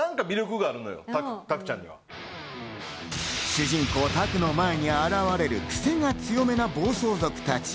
主人公・拓の前に現れるクセが強めな暴走族たち。